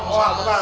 oh aman aman